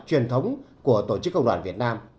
truyền thống của tổ chức cộng đoàn việt nam